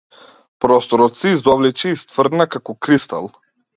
Просторот се изобличи и стврдна како кристал.